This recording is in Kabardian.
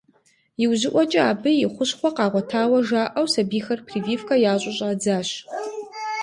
Иужьыӏуэкӏэ абы и хущхуэхъуэ къагъуэтауэ жаӏэу сабийхэр прививкэ ящӏу щӏадзащ.